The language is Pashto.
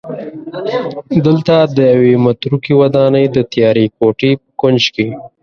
دلته د یوې متروکې ودانۍ د تیارې کوټې په کونج کې